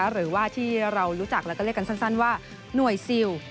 หรือว่าที่เรารู้จักแล้วก็เรียกกันสั้นว่าหน่วยซิล